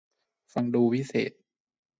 ฟังดูวิเศษ